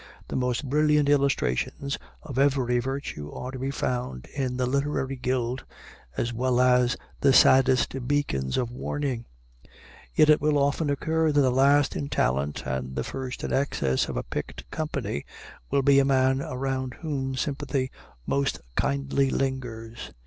The most brilliant illustrations of every virtue are to be found in the literary guild, as well as the saddest beacons of warning; yet it will often occur that the last in talent and the first in excess of a picked company will be a man around whom sympathy most kindly lingers.